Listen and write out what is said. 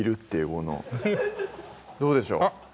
このどうでしょう？